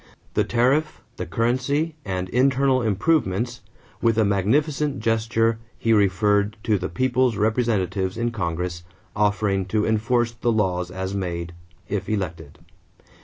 The tariff, the currency, and internal improvements, with a magnificent gesture he referred to the people's representatives in Congress, offering to enforce the laws as made, if elected.